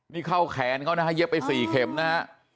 นี่เข้าแขนเขานะฮะเย็บไป๔เข็มนะฮะ